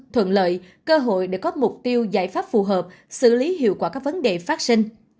thuận lợi cơ hội để có mục tiêu giải pháp phù hợp xử lý hiệu quả các vấn đề phát sinh